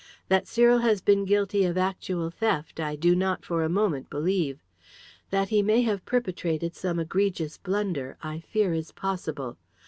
That Cyril has been guilty of actual theft, I do not for a moment believe. That he may have perpetrated some egregious blunder, I fear is possible.